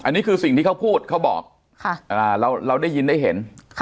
อันนี้คือสิ่งที่เขาพูดเขาบอกเราได้ยินได้เห็น